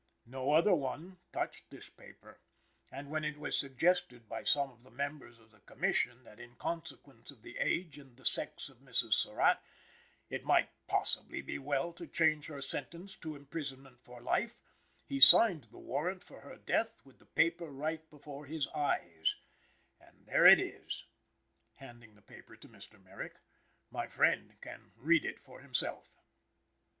No other one touched this paper, and when it was suggested by some of the members of the Commission that in consequence of the age and the sex of Mrs. Surratt, it might possibly be well to change her sentence to imprisonment for life, he signed the warrant for her death with the paper right before his eyes and there it is (handing the paper to Mr. Merrick). My friend can read it for himself."